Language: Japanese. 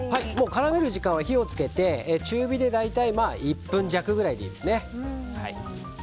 絡める時間は火を付けて中火で大体１分弱くらいでいいですね。